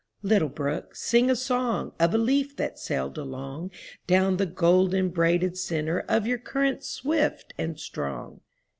Little brook — sing a song Of a leaf that sailed along Down the golden braided center of your current swift and strong.